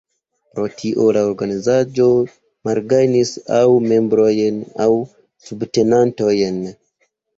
Pro tio, la organizaĵo malgajnis aŭ membrojn aŭ subtenantojn.